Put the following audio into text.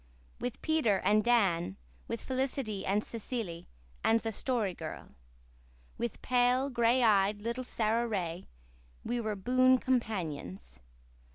With Peter and Dan, with Felicity and Cecily and the Story Girl, with pale, gray eyed little Sara Ray, we were boon companions.